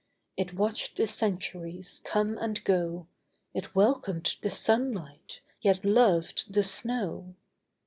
It watched the centuries come and go. It welcomed the sunlight, yet loved the snow.